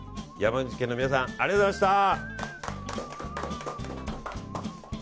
山口県の皆さんありがとうございました！